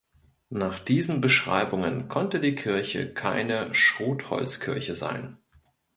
Nach diesen Beschreibungen konnte die Kirche keine Schrotholzkirche sein.